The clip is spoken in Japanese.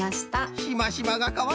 しましまがかわいい！